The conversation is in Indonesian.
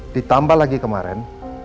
ditambah lagi kemarin